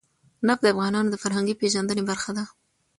نفت د افغانانو د فرهنګي پیژندنې برخه ده.